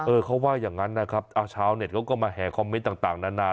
เขาว่าอย่างนั้นนะครับเอาชาวเน็ตเขาก็มาแห่คอมเมนต์ต่างนานา